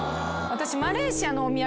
私。